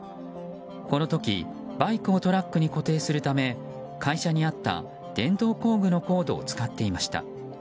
この時バイクをトラックに固定するため会社にあった電動工具のコードを使っていました。